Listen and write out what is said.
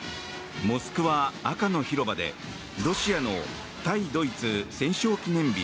モスクワ・赤の広場でロシアの対ドイツ戦勝記念日